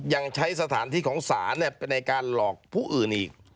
ยังใช้สถานที่ของศาลไปในการหลอกผู้อื่นอีก